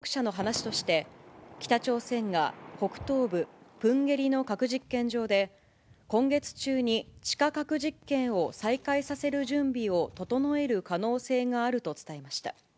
アメリカのＣＮＮテレビは５日、複数のアメリカ当局者の話として、北朝鮮が北東部プンゲリの核実験場で、今月中に地下核実験を再開させる準備を整える可能性があると伝えました。